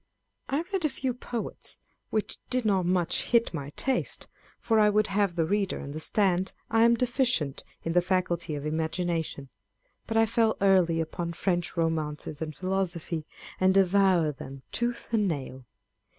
I read a few poets, which did not much hit my taste, â€" for I would have the reader understand, I am deficient in the faculty of imagination ; but I fell early upon French romances and philosophy, and devoured them tooth and nail.